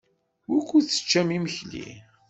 Wukud teččam imekli?